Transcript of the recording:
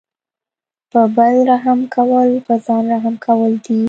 په بل رحم کول په ځان رحم کول دي.